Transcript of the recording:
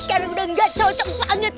sekarang udah gak cocok banget